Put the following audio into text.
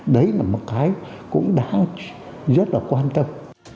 đấy là một cái cũng đã rất là quan tâm